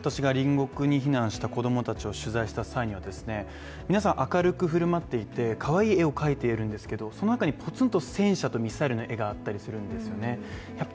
私が隣国に避難した子供たちを取材した際には皆さん明るく振舞っていてかわいい絵を描いているんですけどその中にポツンと戦車とミサイルの絵があったりするんですよね